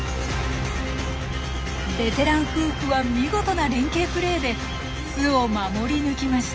ベテラン夫婦は見事な連係プレーで巣を守り抜きました。